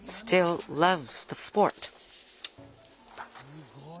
すごい。